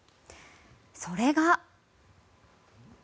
それが。